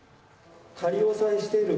仮押さえしている。